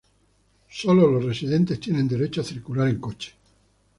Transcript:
Solo los residentes tienen derecho a circular en coche.